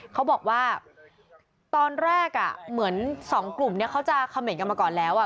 เขาบอกว่าตอนแรกอะเหมือน๒กลุ่มเนี่ยเขาจะคาเมนต์กันมาก่อนแล้วอะ